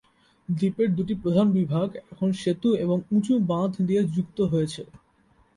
দ্বীপের দুটি প্রধান বিভাগ এখন সেতু এবং উঁচু বাঁধ দিয়ে যুক্ত হয়েছে।